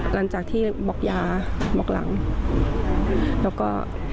หลังจากที่บอกยาบอกหลังแล้วก็